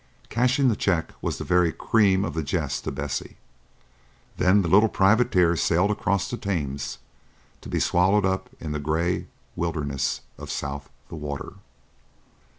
Cashing the check was the very cream of the jest to Bessie. Then the little privateer sailed across the Thames, to be swallowed up in the gray wilderness of South the Water.